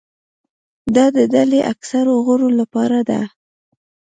دا د ډلې اکثرو غړو لپاره ده.